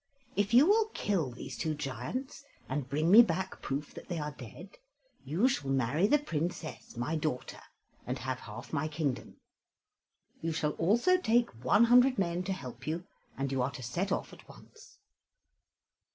If you will kill these two giants, and bring me back proof that they are dead, you shall marry the Princess, my daughter, and have half my kingdom. You shall also take one hundred men to help you, and you are to set off at once."